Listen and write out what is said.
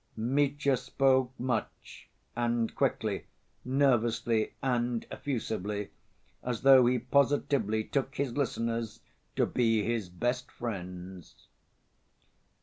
Mitya spoke much and quickly, nervously and effusively, as though he positively took his listeners to be his best friends.